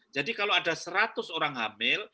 jadi kalau ada seratus orang hamil